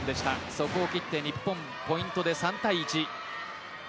そこを切って日本、ポイントで３対１。